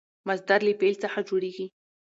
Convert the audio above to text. مصدر له فعل څخه جوړېږي.